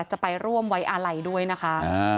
จะไปร่วมไว้อาลัยด้วยนะคะ